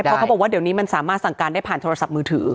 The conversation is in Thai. เพราะเขาบอกว่าเดี๋ยวนี้มันสามารถสั่งการได้ผ่านโทรศัพท์มือถือ